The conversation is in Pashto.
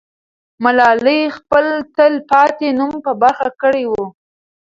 ملالۍ خپل تل پاتې نوم په برخه کړی وو.